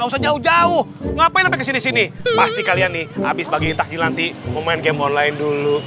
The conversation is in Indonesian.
jauh jauh jauh ngapain kesini sini pasti kalian nih habis bagian takjil anti main game online dulu